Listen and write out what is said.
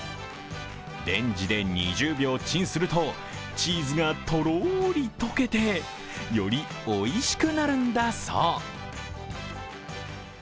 レンジで２０秒チンすると、チーズがとろり溶けてよりおいしくなるんだそう。